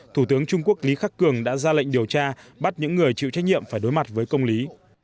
thủ tướng trung quốc lý khắc cường đã ra lệnh điều tra bắt những người chịu trách nhiệm phải đối mặt với công lý